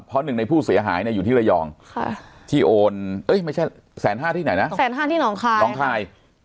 เพราะหนึ่งในผู้เสียหายนะอยู่ที่ระยองที่โอนเอ๊ะไม่ใช่๑๕๐๐๐๐ที่ไหนนะ๑๕๐๐๐๐ที่น้องคาย